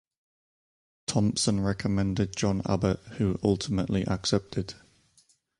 Thompson recommended John Abbott, who ultimately accepted.